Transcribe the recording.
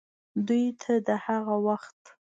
دوې ته دَ هغه وخت